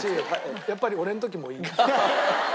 やっぱり俺の時もいい。